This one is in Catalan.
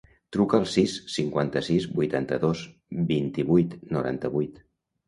Truca al sis, cinquanta-sis, vuitanta-dos, vint-i-vuit, noranta-vuit.